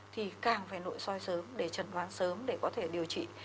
thì càng phải nội soi sớm để trần đoán sớm để có thể điều trị